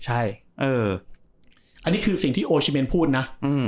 ใช่อันนี้คือสิ่งที่โอชิเมนพูดนะ